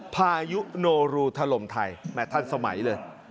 พายุโนรูถล่มไทยแม่ทันสมัยเลย